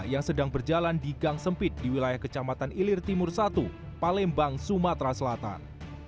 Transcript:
yang sedang berjalan di gang sempit di wilayah kecamatan ilir timur satu palembang sumatera selatan